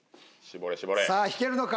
さあ引けるのか？